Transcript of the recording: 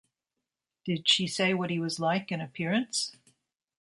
Did she say what he was like in appearance?